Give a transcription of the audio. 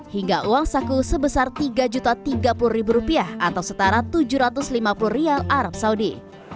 hingga uang saku sebesar rp tiga tiga puluh atau setara rp tujuh ratus lima puluh arab saudi